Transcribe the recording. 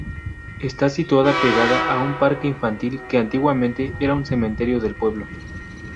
Está situada pegada a un parque infantil que antiguamente era un cementerio del pueblo.